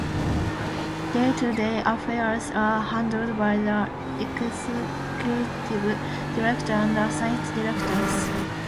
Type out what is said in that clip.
Day-to-day affairs are handled by the Executive Director and Assistant Directors.